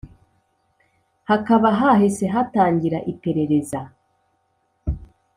Hakaba hahise hatangira iperereza